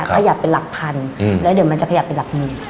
ขยับไปหลักพันอย่างนั้นมันจะขยับมาหลักหมื่น